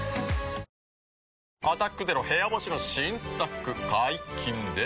「アタックＺＥＲＯ部屋干し」の新作解禁です。